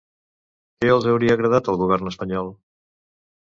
Què els hauria agradat al Govern espanyol?